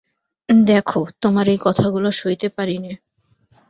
দেখো, তোমার এই কথাগুলো সইতে পারি নে।